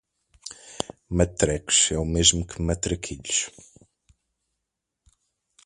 "Matrecos" é o mesmo que "matraquilhos".